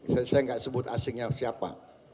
saya nggak sebut asingnya siapa